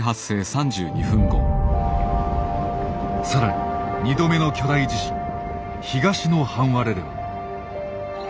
更に２度目の巨大地震東の半割れでは。